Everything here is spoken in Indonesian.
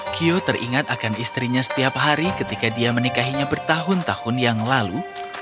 kio teringat akan istrinya setiap hari ketika dia menikahinya bertahun tahun yang lalu